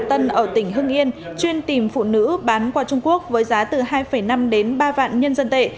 tân ở tỉnh hưng yên chuyên tìm phụ nữ bán qua trung quốc với giá từ hai năm đến ba vạn nhân dân tệ